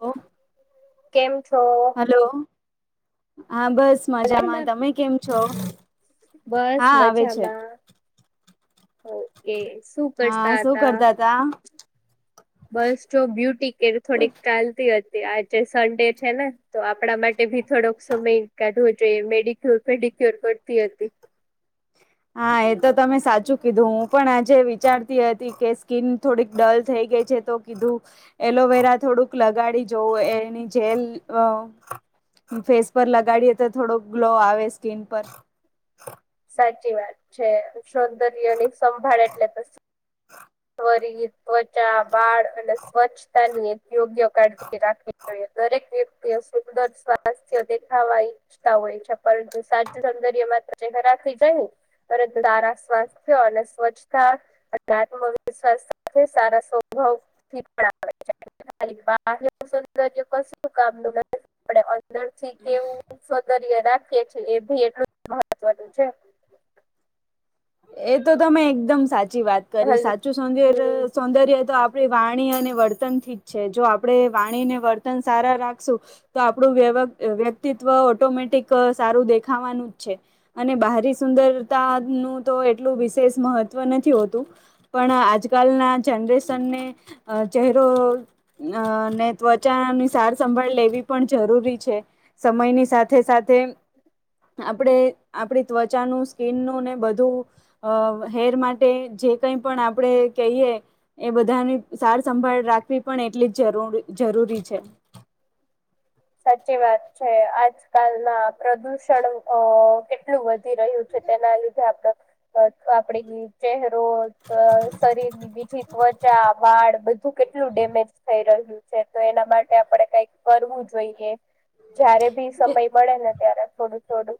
ઓ. કેમ છો? હલો. હા બસ મજામાં તમે કેમ છો. બસ હા આવે છે મજામાં. ઓકે શું હા કરતા શું હતા. કરતા તા બસ જો બ્યુટી કે એ થોડીક ચાલતી હતી. આજે સન્ડે છે ને તો આપડા માટે ભી થોડોક સમય કાઢવો જોઈએ મેડિકલ. ર પડતી હતી. હા એ તો તમે સાચું કીધું હું પણ આજે વિચારતી હતી કે સ્કીિન થોડીક ડલ થઈ. તો કીધું એલોવેરા થોડુંક લગાડી જવું એની જેલ. ફેસ પર લગાડીએ તો થોડો ગ્લો આવે સ્કીિન પર. સાચી વાત છે સૌંદર્ય ની સંભાળ એટલે તો ત્વચા બાળ અને સ્વચ્છતા ની. યોગ્ય કાળજી રાખવી જોઈએ દરેક વ્ય સુંદર સ્વાસ્થ્ય દેખાવા ઈચ્છતા હોય છે પરંતુ સાચ સૌંદર્ય માત્ર. જાય તારા સ્વાયો અને સ્વચ્છતા અધત્મ સ્ સારા સ્વભાવથી પણ છે. ર ક કામ [inaudible] અંદરથી કેવું વગર રા [inaudible] એ ભી એટલું મહત્વનું છે. એ તો તમે એકદમ સાચી વાત કરી હલો સાચું સૌર હમ્મ સૌંદર્ય તો આપ વાણી અને વર્તન થી જ છે જો આપણે વાણીને વર્તન સારા રાખશું તો આપણું વ્યક્તિતવ ઓટોમેટિક સારું દેખાવાનું જ છે. અને બારી સુંદરતા નોટ [inaudible] તો એટલું વિશેષ મહત્ત્વ નથી હોતું, પણ આજકાલના જનરેશનને ચહેરો ને ત્વચા સાર સંંભાળ લેવી પણ જરૂરી છે, સમયની સાથે સાથે અપડે આપણી ત્વચાનું સ્કીનનું ને, બધું હેર માટે જે કઈ પણ આપણે કહીએ એ બધાની સાર સંંભાળ રાખવી પણ એટલી જરૂર રી છે. સાચી વાત છે, આજકાલમાં પ્રદુષણ અ કેટલું વધ વધી રહ્યું છે, તેના લીધે આપડ આપણે ચેહેરો શરીર ની બીજી ત્વચા વા બાણ બું કેટલું ડેમેજ થઈ રહ્યું છે, તો એના માટે આપણે કઈક કરવું જોઈએ જયારે ભી એ સમય મળે ને ત્યારે થોડું, થોડું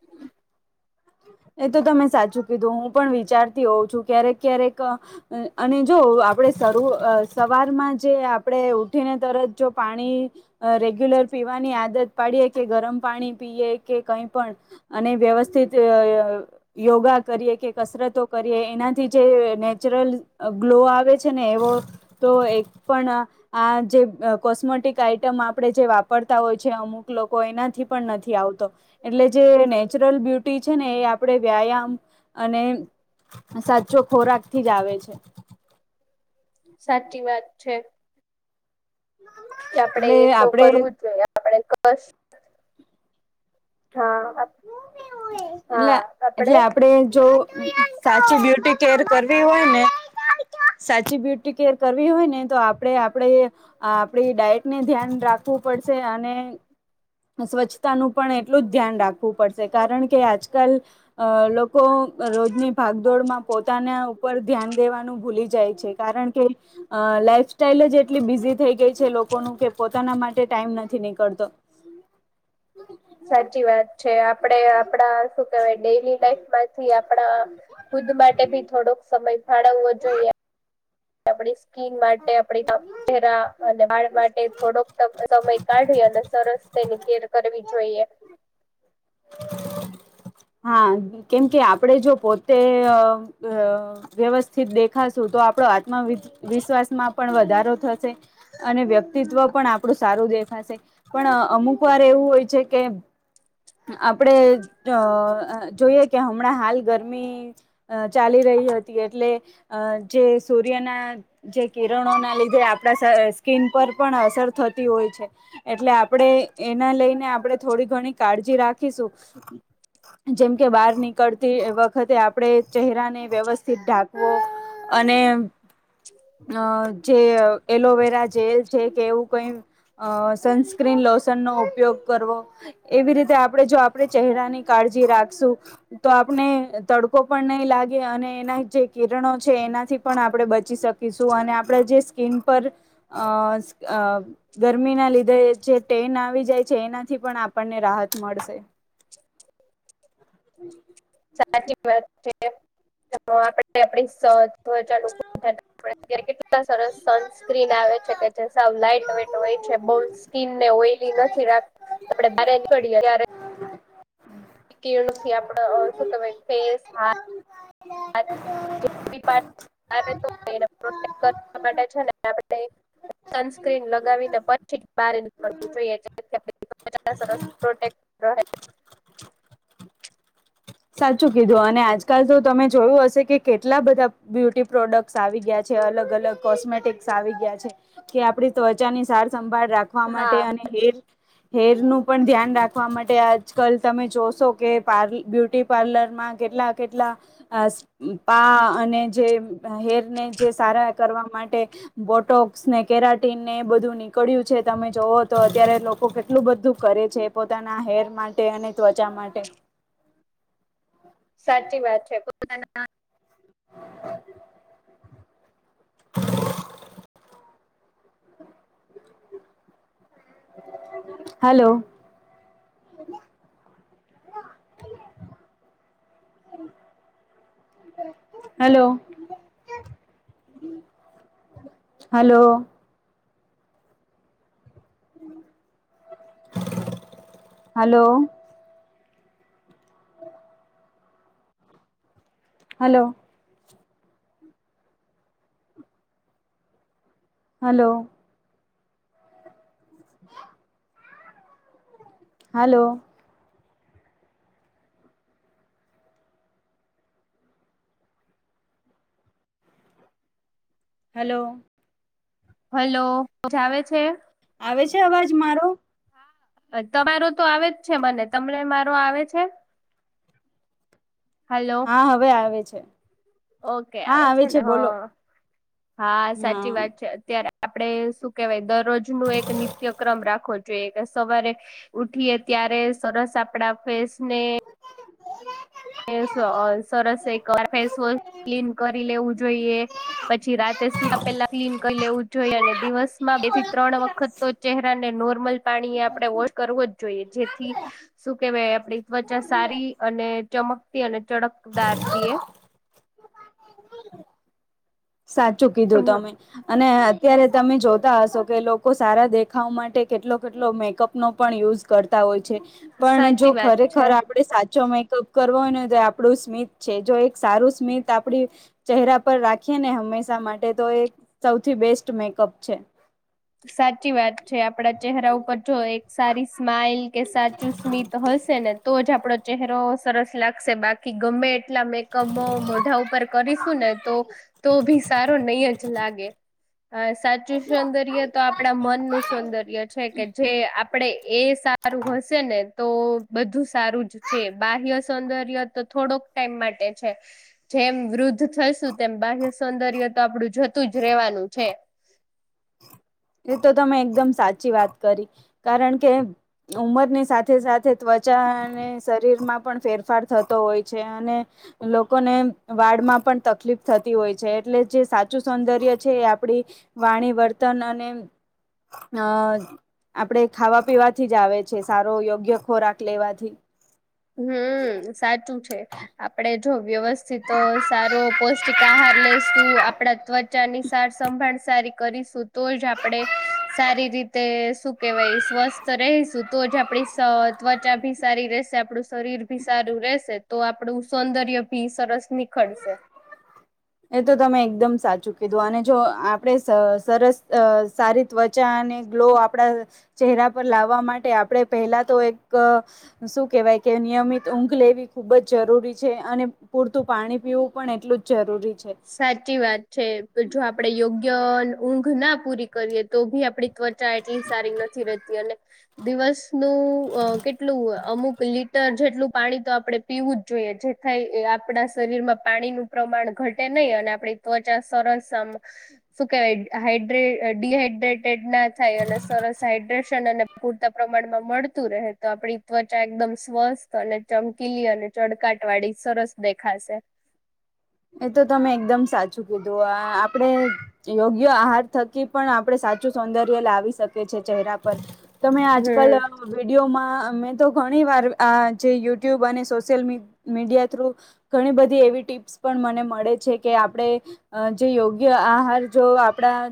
એ તો તમે સાચું કીધું હું પણ વિચારતી હોઉ છું, ક્યારેક ક્યારેક અને જો આપણે શરૂ સવારમાં જે આપણે ઉઠીને તરત જો પાણી રેગ્યુલર પીવાની આદત પાડીએ કે ગરમ પાણી પીએ કે કઈ પણ, અને વ્યવસ્થિત યોગા કરીએ કે કસરતો કરીએ એનાથી, જે નેચરલ ગ્લો આવે છે. ને એવો તો એકપણ આ જે કોસ મતિક આઈટમ આપણે જે વાપરતા હોય છે, અમુક લોકો એનાથી પણ નથી આવતો એટલે જેને નેચરલ બ્યુટી છે, ને એ આ આપડણે વ્યાયામ અને, સાચો ખોરાક થી જ આવે છે સાચી વાત છે. કે, આપડે એટલે એ તો આપણે કરવું જ જોઈએ આપણેે કસ હા. એટલે, એટલે આપડે જો સાચી બ્યુટી કેર કરવી હોય ને સાચી બ્યુટી કેર કરવી હોય ને તો, આપણે આપે આપડી ડાયટને ધ્યાન રાખ રાખું પડશે અને, સ્વચ્છતાનું પણ એટલું જ ધ્યાન રાખ પડશે કારણ કે, આજકાલ લોકો રોજની ભાગદોડમાં પોતાના ઉપ ધ્યાન દેવાનું ભૂલી જાય છે, કારણ કે લાઈફ સ્ટાઈલ જ એટલી બીઝી થઈ ગઈ છે, લો લોકો ન કે પોતાના માટે, ટાઈમ નથી નીકળતો આપડ આપણા, શું કેવાય ડેલી લફમાંથી આપણા ખુદ માટે ભી થોડોક સમય ફાળવવો જોઈએ આપ માટે આપરા અને, વાળ માટે થોડોક સમય કાઢી અને સરસ તેની કેર કરવી જોઈએ [inaudible] હા, કેમ કે આપણેે જો પોતે વ્યવસ્થિત દેખાશું તો આપણે આત્માવિશ્વાસ માં પણ વધારો થશે અને,, વ્યક્તિત્વ પણ આપણું સારું દેખાશે પણ અમુક વાર એવું હોય છે, કે આપડે, જોઈએ કે હમણાં હાલ ગરમી ચાલી રહી હતી એટલે જે સૂર્યના, જે કિરણોના લીધે આપણા સ્કીિન અસર થતી હોય છે, એટલે આપણે એના લઈને આપણે થોડી ઘણી કા રાખીશું જેમ કે બહાર નીકળતી, વખતે આપણે ચહેરાને વ્યવસ્થિત ઢાંકવો અને અ જે એલોવેરા જેલ છે, કે એવું કઈ અ સનસ્ક્રીન લોશનનો ઉપયોગ કરવો, એવી રીતે આપણે જો, આપણે ચહેરાની કાળજી રાખશું તો આપણે તડકો પણ નહીં લાગે અને [inaudible] કિરણો છે, એનાથી પણ આપણે બચી શકીશું અને, આપણે જે સ્કીન પર અ અ ગરમીના લીધે જે ટેન આવી જાય છે એનાથી પણ આપણને રાહત મળશે સાચી વાત. આપ આપવજાત્યારે કેટલા સરસ સનસ્ક્રીન આવે છે કે જે સાવ લાાઈટ વેટ હોય છે બહ સ્કીિનને ઓઈલી નથી રાખ આપડે બને નીકળીએ ત્યારે કેળુંથી આપડ શું કય ફેસ હ માટેને સનસ્ક્રીન લગાવીને પછી જ બાર નીકળવું જોઈએ સરસોક [unintelligible] હ [unintelligible] સાચું કીધું અને આજકાલ તો તમે જોયું હશે કે કેટલા બધા બ્યુટી પ્રોડક્ટ આવી ગયા છે. અલગ અલગ કોમેટ આવી ગયા છે કે આપ ત્વચાની સ સંભાળ રાખવા હા માટે અને હેર હેર નું પણ ધ્યાન રાખવા માટે આજકાલ તમે જોશો કે પ્ બ્યુટી પાર્લરમાં કેટલા કેટલા પા અને જે હેર ને જે માટે બોટોક્સને કેરાટીન ને એ બધું નીકળ્યું છે તમે જોવો તો અત્યારે લોકો કેટલું બધું કરે છે પોતાના હેર માટે અને ત્વચા માટે સાચી વાત છે તાના hello. [unintelligible] Hello. Hello. Hello. Hello. Hello. [unintelligible] હાલો. હલો. હલોજ આવે છે.? આવે છે અવાજ મારો? તમારો તો આવે જ છે, ને તમને મારો આવે છે? હલો હા હવે આવે છે. ઓકે આવે છે ને હ હા સાચી વાત છે અત્યારે આપડે શું કેહેવાય દરરોજ નું એક નિત્યક્રમ રાખો જોઈ સવારે ઉઠીએ ત્યારે સરસ આપડા ફેસને એ સરસ એક ફેસવોશ ક્લીન કરી લેવું જોઈએ પછી રાતે સુધ પેલા ક્લીન કરી લેવું જોઈએ. અને દિવસમાં બે થી ત્રણ વખત તો ચહેરાને નોર્મલ પાણીએ આપણે વોશ કરવો જ જોઈએ જે થી શું કેવાય આપડી ત્વચા સારી અને ચમકતી અને ચડક દાર દએ સાચું કીધું તમે અને અત્યારે તમે જોતા હશો કે લોકો સારા દેખાવ માટે કેટલો કેટલો મેકઅપનોો પણ યુઝ કરતા હોય છે. પણ જો સાચી વાત ખરેખર છે આપડે સાચોમાં કરવોય તો આપણું સ્મિત છે જો એક સારું સ્મિત આપડી ચહેરા પર રાખ ને હંમેશા માટે તો એક સૌથી બેસ્ટ મેકઅપ છે. સાચી વાત છે આપડા ચહેરા ઉપર જો એક સારી સ્માઈલ કે સાચું સ્મિત હશે ને તો આપડો ચહેરો સરસ લાગશે બાકી ગમે એટલા મેકઅપ મોઢા ઉપર કરીશું ને તો તો ભી સારો નહી જ લાગે. હ સાચું સૌંદર્ય તો આપડા મનનુંું સૌંદર્ય છે કે જે આપડે એ સારું હશે ને. તો બધું સારું જ છે બાહ્ય સૌંદર્ય તો થોડોક ટાઈમ માટે છે. જેમ વૃદ્ધ થશું તેમ બાહ્ય સૌંદર્ય તો આપડું જતું જ રેવાનું છે. [inaudible] તો તમે એકદમ સાચી વાત કરી કારણ કે ઉમરની સાથે સાથે. ત્વચા અને શરીર માં પણ ફેરફાર થતો હોય છે અને લોકોને વાડ માં પણ તકલીફ થતી હોય છે એટલે. જે સાચું સૌંદર્ય છે એ આપડી વાણી વર્તન અને હા. આપડે ખાવા પીવાથી જ આવે છે સારો યોગ્ય ખોરાક લેવાથી. હમ સાચું છે આપડે. જો વ્યવસ્થિત સારો પૌષ્ટિક આહાર લઈશું આપડા ત્વચાની સાર સંભાળ. સારી કરીશું તો જ આપણે સારી રીતે શું કેવાય સ્વસ્થ રહીશું તો. આપણી ત્વચા ભી સારી રશે આપણું. શરીર ભી સારું રહેશે તો આપણું સૌંદર્ય ભી સરસ નીખળશે. એ તો તમે એકદમ સાચું કીધું અને જો આપણે સરસ સારી ત્વચા. ગ્લો આપડા ચહેરા પર લાવવા માટે આપણે પહેલા તો એક શું કેવાય. કે નિયમિત ઊંઘ લેવી ખુબ જ જરૂરી છે અને પૂરતું પાણી પીવું પણ એટલું જ જરૂરી. છે. સાચી વાત છે જો આપડે યોગ્ય. ઊંઘ ના પૂરી કરીએ તો ભી આપડી ત્વચા એટલી સારી નથી રહેતી અને દિવસ. નું કેટલું. અમુક લીટર જેટલું પાણી તો આપણે પીવું જ જોઈએ જે થાય આપણા શરીર માં પાણીનું પ્રમાણ ઘટ નહી અને આપ ત્વચા સરસમ શું કેવાય હડડીહાઈડ્રેટેડ ના થાય અને સરસ હાઈડ્રેશન અને પૂરતા પ્રમાણમાં મળતું રહે તો આપડી ત્વચા એકદમવ. મસ્ત અને ચમકીલી અને ચડકાટ વાળી સરસ દેખાશે. હ. એ તો તમે એકદમ સાચું કીધું આ આપડે યોગ્ય આહાર થકી પણ આપડે. સાું સૌંદર્ય લાવી શકે છે ચહેરા પર તમે આજકાલ હમ વિડીયોમાં. મેં તો ઘણી વાર આ જે યુટ્યુબ અને સોશિયલ મી મીડિયા થ્રુ ઘણી બધી એવી ટીપ્સ. પણ મને મળે છે કે આપણે જે યોગ્ય આહાર જો આપણા.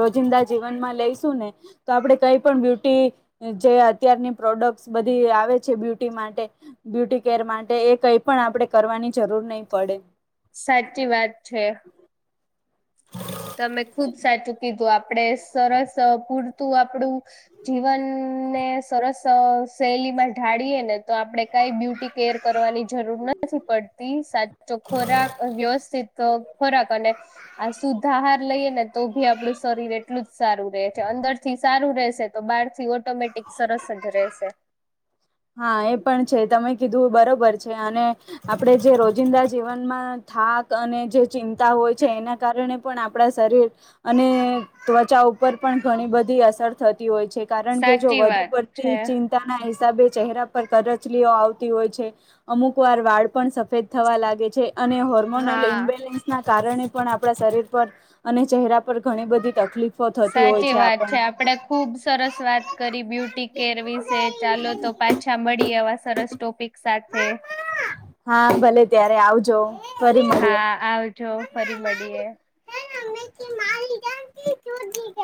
રોજિંદા જીવનમાં લઈશું ને તો આપડે કઈ પણ બ્યુટી જે અત્યારની પ્રોડક્ટ બધી આવે છે બ્યુટી માટે બ્યુટી કેર માટે એ કઈ પણ આપણે કરવાની. ની જરૂર નહીં પડે. સાચી વાત છે. તમે ખુબ સાચું કીધું આપડે સરસ પૂરતું આપણું જીવન. સરસ શૈલી માં ઢાળીએે ને તો આપડે કઈ બ્યુટી કેર કરવાની જરૂર નથી. નથી પડતી સાચો ખોરાક વ્યવસ્થિત ખોરાક અને આ. ધહાર લઈએ ને તો ભી આપડું શરીર એટલું જ સારું રહે. અંદર થી સારું રહેશે તો બહાર થી ઓટોમેટિક સરસ જ રહેશે. હા એ પણ છે તમે કીધું બરોબર છે અને આપણેે જે રોજિંદા જીવનમાં. થાક અને જે ચિંતા હોય છે એના કારણે પણ આપણા શરીર અને ત્વચાઓ ઉપર પણ ઘણી બધી અસર થતી હોય છે કારણ કે જો સાચી વધુ વાત છે પડતી ચિંતાના હિસાબે. ચહેરા પર કરચલીઓ આવતી હોય છે અમુક વાર વાળ પણ સફેદ થવા લાગે છે. અને હોર્મોનલ હા ઇમ્બેલેન્સ ના કારણે પણ આપણા શરીર. અને ચહેરા પર ઘણી બધી તકલીફ સાચી વાત છે આપડે ખુબ સરસ વાત કરી બ્યુટી કેર વિશે ચાલો તો પાછી. પાછા મળી આવા સરસ ટોપિક સાથે હા ભલે ત્યારે આવજો. ફરી મળીએ હા આવજો ફરી મળીએ. માગા છી ગઈ [inaudible]